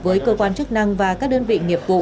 với cơ quan chức năng và các đơn vị nghiệp vụ